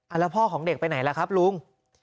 แล้วพ่อของเด็กไปไหนล่ะครับลุง